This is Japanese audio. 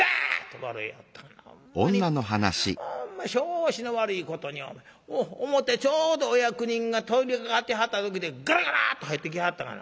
ほんま拍子の悪いことに表ちょうどお役人が通りかかってはった時でガラガラッと入ってきはったがな。